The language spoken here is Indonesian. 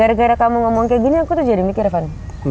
gara gara kamu ngomong kayak gini aku tuh jadi mikir van